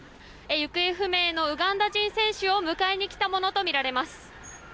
行方不明のウガンダ人選手を迎えに来たものとみられます。